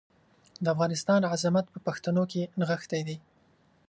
د افغانستان عظمت په پښتنو کې نغښتی دی.